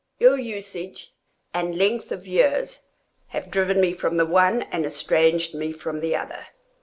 Ill usage and length of years have driven me from the one, and estranged me from the other.